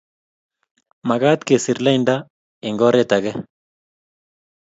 Magat kesir lainda eng oret age